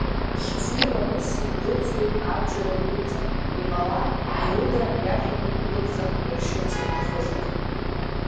Хьӡи-ламыси дырӡуеит абџьар агәыдҵан, иҟалап, Неруда иашәақәагь кыдҵан иршьырц рҭахызар!